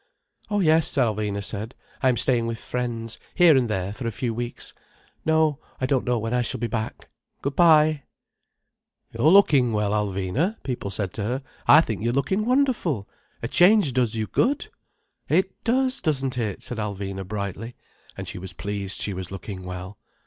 "Oh yes," Alvina said. "I am staying with friends, here and there, for a few weeks. No, I don't know when I shall be back. Good bye!" "You're looking well, Alvina," people said to her. "I think you're looking wonderful. A change does you good." "It does, doesn't it," said Alvina brightly. And she was pleased she was looking well.